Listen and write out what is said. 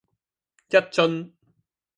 一樽